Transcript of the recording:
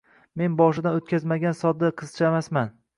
Men boshidan o‘tkazmagan sodda qizchamasman.